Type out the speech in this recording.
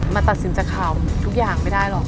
ตัดสินจากข่าวทุกอย่างไม่ได้หรอก